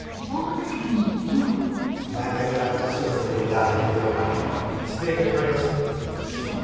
前々から話を進めていたハリウッド映画出演が決まりました。